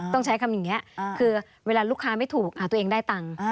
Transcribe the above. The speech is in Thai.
ต้องใช้คำอย่างนี้คือเวลาลูกค้าไม่ถูกหาตัวเองได้ตังค์